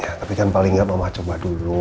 ya tapi kan paling gak mama coba dulu